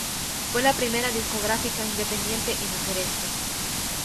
Fue la primera discográfica independiente en hacer esto.